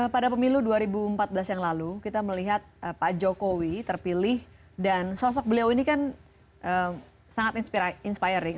pada pemilu dua ribu empat belas yang lalu kita melihat pak jokowi terpilih dan sosok beliau ini kan sangat inspiring